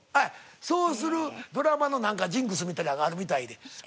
そうするドラマのなんかジンクスみたいなんがあるみたいで。